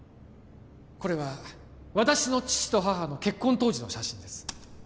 これは私の父と母の結婚当時の写真です